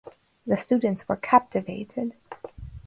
The students were captivated.